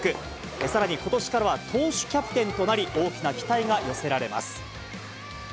さらにことしからは投手キャプテンとなり、大きな期待が寄せられます。